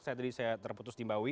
saya tadi saya terputus di mbawi